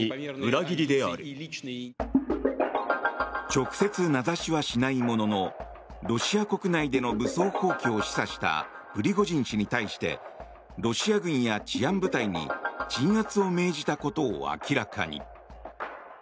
直接名指しはしないもののロシア国内での武装蜂起を示唆したプリゴジン氏に対してロシア軍や治安部隊に鎮圧を命じたことを明らかに。